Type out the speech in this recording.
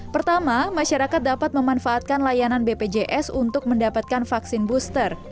pertama masyarakat dapat memanfaatkan layanan bpjs untuk mendapatkan vaksin booster